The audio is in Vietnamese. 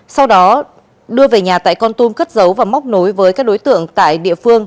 sau đó đưa về nhà tại con tum cất giấu và móc nối với các đối tượng tại địa phương